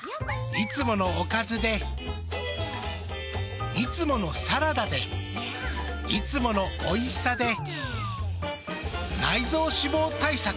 いつものおかずでいつものサラダでいつものおいしさで内臓脂肪対策。